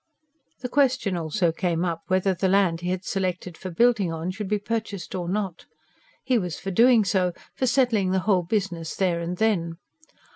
The question also came up whether the land he had selected for building on should be purchased or not. He was for doing so, for settling the whole business there and then.